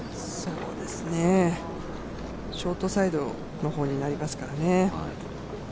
ショートサイドの方になりますからね。